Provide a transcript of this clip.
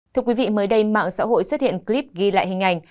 thưa quý vị mới đây mạng xã hội xuất hiện clip ghi lại hình ảnh